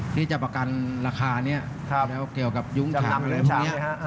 ที่จะประกันราคานี้เกี่ยวกับยุ้งฉาวนี้